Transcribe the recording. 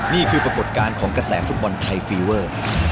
นี่คือปรากฏการณ์ของกระแสฟุตบอลไทยฟีเวอร์